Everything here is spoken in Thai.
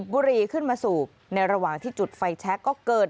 บุรีขึ้นมาสูบในระหว่างที่จุดไฟแชคก็เกิน